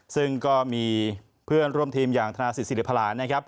ซึ่งก็มีเพื่อนร่วมทีมอย่างธนาศิสิริผลา